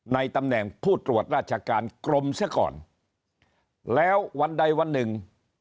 ในตำแหน่งผู้ตรวจราชการกรมเสียก่อนแล้ววันใดวันหนึ่ง